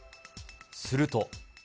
すると。